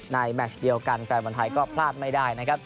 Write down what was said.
แมชเดียวกันแฟนบอลไทยก็พลาดไม่ได้นะครับ